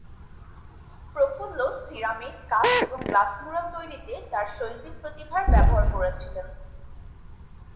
প্রফুল্ল ceramic, কাঠ এবং glass mural তৈরিতে তাঁর শৈল্পিক প্রতিভার ব্যবহার করেছিলেন।